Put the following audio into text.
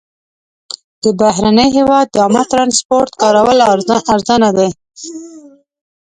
د بهرني هېواد د عامه ترانسپورټ کارول ارزانه دي.